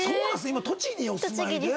今栃木にお住まいで？